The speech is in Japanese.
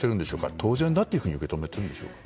当然だと受け止めているでしょうか。